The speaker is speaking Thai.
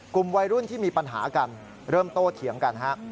กลุ่มวัยรุ่นที่มีปัญหากันเริ่มโตเถียงกันฮะ